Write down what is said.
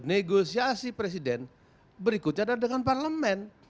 negosiasi presiden berikutnya adalah dengan parlemen